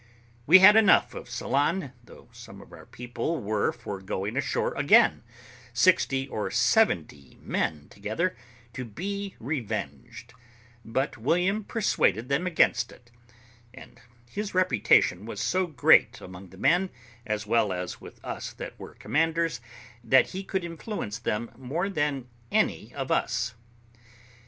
We had enough of Ceylon, though some of our people were for going ashore again, sixty or seventy men together, to be revenged; but William persuaded them against it; and his reputation was so great among the men, as well as with us that were commanders, that he could influence them more than any of us.